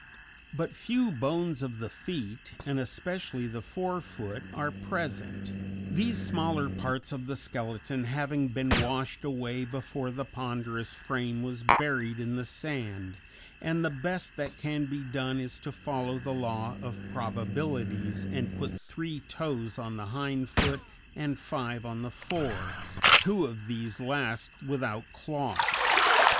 But few bones of the feet, and especially the fore feet, are present, these smaller parts of the skeleton having been washed away before the ponderous frame was buried in the sand, and the best that can be done is to follow the law of probabilities and put three toes on the hind foot and five on the fore, two of these last without claws.